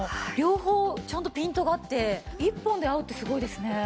両方ちゃんとピントが合って１本で合うってすごいですね。